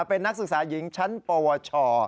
เป็นนักศึกษาหญิงชั้นปวช